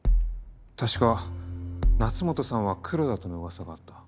確か夏本さんは黒田との噂があった。